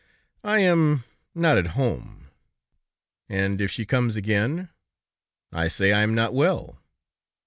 "I am ... not at home." "And if she comes again?" "I say I am not well."